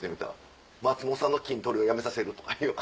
松本さんの筋トレをやめさせるとかいう。